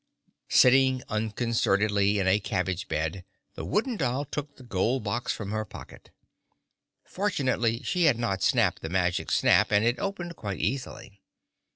Sitting unconcernedly in a cabbage bed, the Wooden Doll took the gold box from her pocket. Fortunately she had not snapped the magic snap and it opened quite easily.